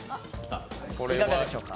いかがでしょうか？